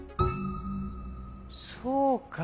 そうか。